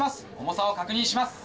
重さを確認します。